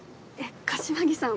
柏木さん